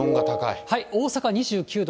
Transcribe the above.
大阪、２９度。